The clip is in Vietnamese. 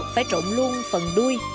phải trộn luôn phần đuôi